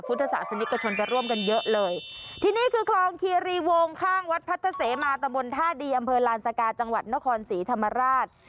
พุทธศาสนิกชนไปร่วมกันเยอะเลยที่นี่คือคลองคีรีวงข้างวัดพัทธเสมาตะบนท่าดีอำเภอลานสกาจังหวัดนครศรีธรรมราช